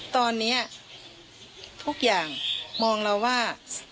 ตอนนี้ทุกอย่างมองเราว่า